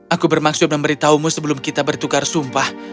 aku bermaksud memberitahumu sebelum kita bertukar sumpah